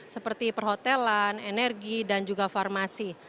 seperti perhotelan energi dan juga farmasi